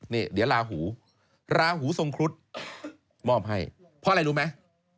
นี่เดี๋ยวลาหูลาหูทรงครุฑมอบให้เพราะอะไรรู้ไหม